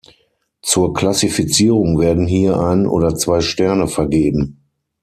Zur Klassifizierung werden hier ein oder zwei Sterne vergeben.